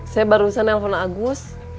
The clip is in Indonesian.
saya barusan nelfon agus